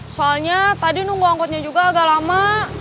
soalnya tadi nunggu angkutnya juga agak lama